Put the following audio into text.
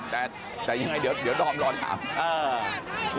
แต่ยังไงเดี๋ยวดอมรอถาม